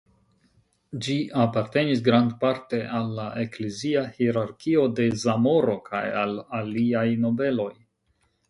Ĝi apartenis grandparte al la eklezia hierarkio de Zamoro kaj al aliaj nobeloj.